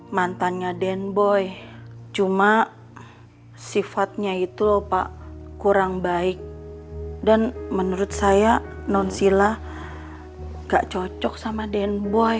mantannya den boy cuma sifatnya itu lho pak kurang baik dan menurut saya non sila gak cocok sama den boy